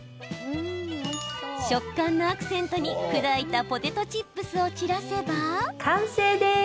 食感のアクセントに砕いたポテトチップスを散らせば。